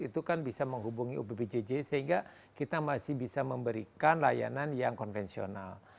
itu kan bisa menghubungi ubpjj sehingga kita masih bisa memberikan layanan yang konvensional